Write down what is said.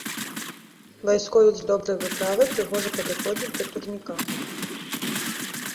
Вайсковец з добрай выправай прыгожа падыходзіць да турніка.